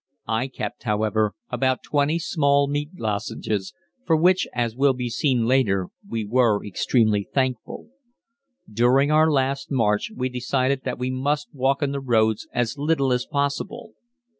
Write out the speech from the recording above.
I kept, however, about twenty small meat lozenges, for which, as will be seen later on, we were extremely thankful. During our last march we decided that we must walk on the roads as little as possible.